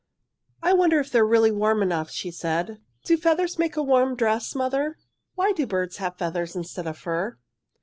"I wonder if they are really warm enough," she said. "Do feathers make a warm dress, mother? Why do birds have feathers instead of fur?"